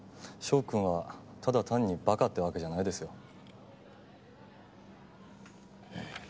翔君はただ単にバカってわけじゃないですよ。